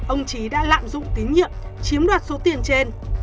ông trí đã lạm dụng tín nhiệm chiếm đoạt số tiền trên